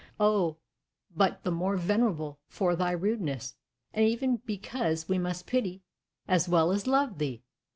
O, but the more venerable for thy rudeness, and even because we must pity as well as love thee!